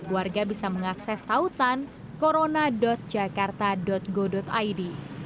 warga bisa mengakses tautan corona jakarta go id